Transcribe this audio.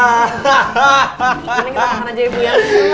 mending kita makan aja ibu ya